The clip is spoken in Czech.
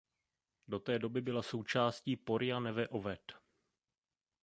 Do té doby byla součástí Porija Neve Oved.